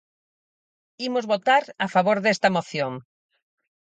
Imos votar a favor desta moción.